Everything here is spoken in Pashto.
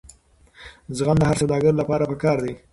زغم د هر سوداګر لپاره پکار دی.